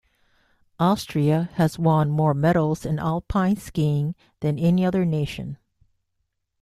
Austria has won more medals in alpine skiing than any other nation.